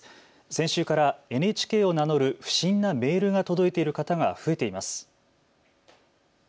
先週からＮＨＫを名乗る不審なメールが届いている方が増えています。